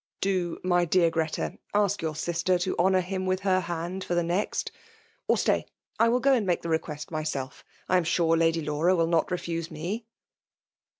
Do, my dear Greta, ask your sister to honour him with her hand for the next Ot stay, I will go and make the request myself — ^I am sure Lady Laura will not refuse me."